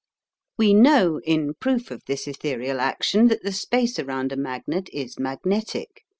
We know in proof of this ethereal action that the space around a magnet is magnetic.